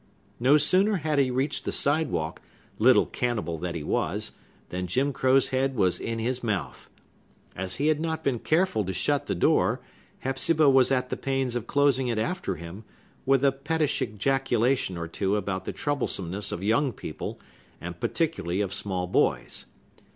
No sooner had he reached the sidewalk (little cannibal that he was!) than Jim Crow's head was in his mouth. As he had not been careful to shut the door, Hepzibah was at the pains of closing it after him, with a pettish ejaculation or two about the troublesomeness of young people, and particularly of small boys.